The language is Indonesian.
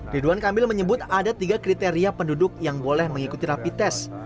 ridwan kamil menyebut ada tiga kriteria penduduk yang boleh mengikuti rapi tes